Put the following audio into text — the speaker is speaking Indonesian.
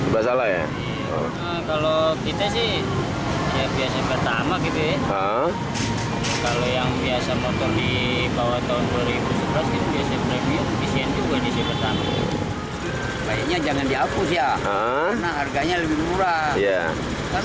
bbm jenis premium di sien juga di sien petang